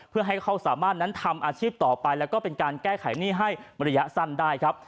เพื่อให้เขาสามารถนั้นทำอาชีพต่อไปแล้วก็เป็นการแก้ไขหนี้ให้ระยะสั้นได้ครับ